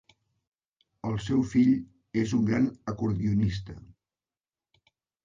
El seu fill és un gran acordionista.